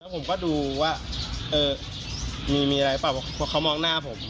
ผมก็ดูว่ามีอะไรปะเพราะเขามองหน้าผม